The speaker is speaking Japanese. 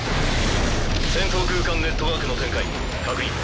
戦闘空間ネットワークの展開確認。